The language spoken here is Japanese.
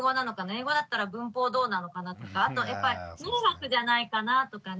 英語だったら文法どうなのかな？とかあとやっぱり迷惑じゃないかなとかね